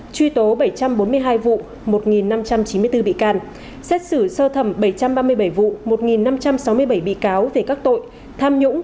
truy tố bảy trăm bốn mươi hai vụ một năm trăm chín mươi bốn bị can xét xử sơ thẩm bảy trăm ba mươi bảy vụ một năm trăm sáu mươi bảy bị cáo về các tội tham nhũng